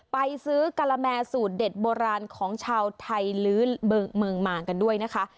ไปซื้อกะละแมสูตรเด็ดโบราณของชาวไทยลื้อเมืองมางกันด้วยนะคะ